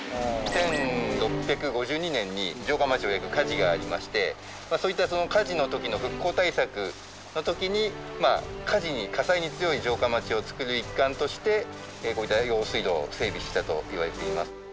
１６５２年に城下町を焼く火事がありましてそういった火事の時の復興対策の時に火事に火災に強い城下町を作る一環としてこういった用水路を整備したといわれています。